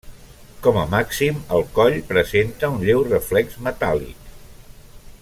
Com a màxim el coll presenta un lleu reflex metàl·lic.